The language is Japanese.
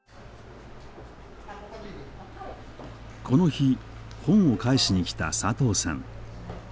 この日本を返しに来た佐藤さん。